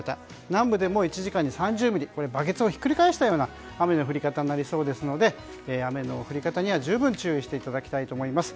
南部でも１時間に３０ミリこれバケツをひっくり返したような雨の降り方になりそうなので雨の降り方には十分注意していただきたいと思います。